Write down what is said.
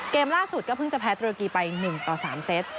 เกมล่าสุดก็เพิ่งจะแพ้ตุรกีไป๑ต่อ๓เซต